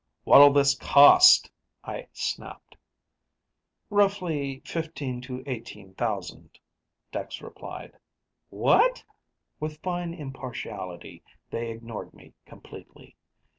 "What'll this cost?" I snapped. "Roughly, 15 to 18 thousand," Dex replied. "What?" With fine impartiality, they ignored me completely.